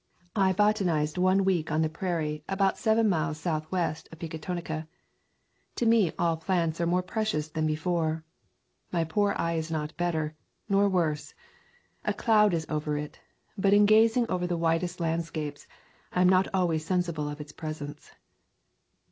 I botanized one week on the prairie about seven miles south [ xii ] Lntroduction west of Pecatonica....To me all plants are more precious than before. My poor eye is not better, nor worse. A cloud is over it, but in gazing over the widest landscapes, I am not always sensible of its presence."